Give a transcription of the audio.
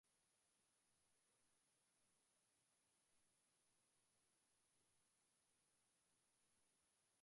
sehemu kubwa ya Siberia Sehemu kubwa za Urusi